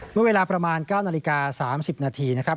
เมื่อเวลาประมาณ๙นาฬิกา๓๐นาทีนะครับ